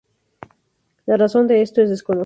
La razón de esto es desconocida.